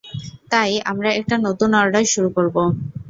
তাই আমরা একটা নতুন অর্ডার শুরু করব।